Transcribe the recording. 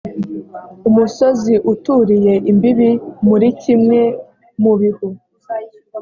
umusozi uturiye imbibi muri kimwe mu bihu